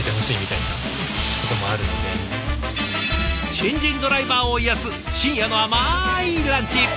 新人ドライバーを癒やす深夜の甘いランチ。